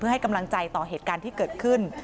ให้กำลังใจต่อเหตุการณ์ที่เกิดขึ้น